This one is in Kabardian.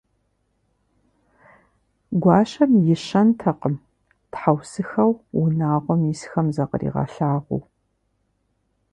Гуащэм и щэнтэкъым тхьэусыхэу унагъуэм исхэм закъригъэлъагъуу.